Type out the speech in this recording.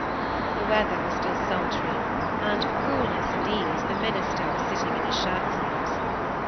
The weather was still sultry, and for coolness and ease the minister was sitting in his shirt sleeves.